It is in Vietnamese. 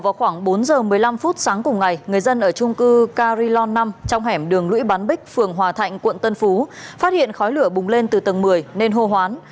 vào khoảng bốn giờ một mươi năm phút sáng cùng ngày người dân ở trung cư carion năm trong hẻm đường lũy bán bích phường hòa thạnh quận tân phú phát hiện khói lửa bùng lên từ tầng một mươi nên hô hoán